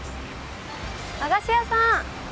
和菓子屋さん。